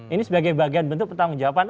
ini sebagai bagian bentuk pertanggung jawaban